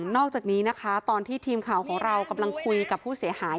นอกจากนี้นะคะตอนที่ทีมข่าวของเรากำลังคุยกับผู้เสียหาย